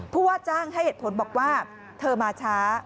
ผู้ว่าจ้างให้เหตุผลบอกว่าเธอมาช้า